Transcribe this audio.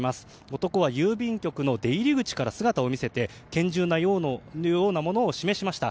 男が郵便局の出入り口から姿を見せて拳銃のようなものを示しました。